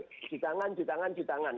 cuci tangan cuci tangan cuci tangan